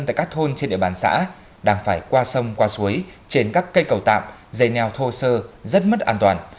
tại các thôn trên địa bàn xã đang phải qua sông qua suối trên các cây cầu tạm dây neo thô sơ rất mất an toàn